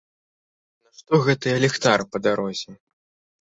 Нашто гэтыя ліхтары па дарозе?